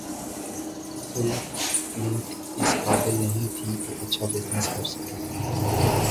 film Kalank اس قابل نہیں تھی کہ اچھا بزنس کرسکے